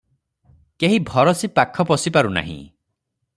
କେହି ଭରସି ପାଖ ପଶି ପାରୁନାହିଁ ।